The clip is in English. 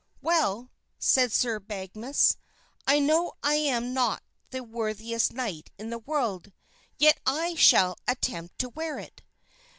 "Well," said Sir Badgemagus, "I know I am not the worthiest knight in the world, yet I shall attempt to wear it."